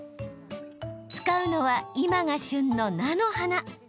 使うのは、今が旬の菜の花。